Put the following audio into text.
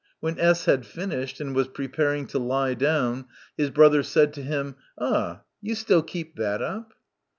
When S had finished, and was preparing to lie down, his brother said to him, " Ah, you still keep that up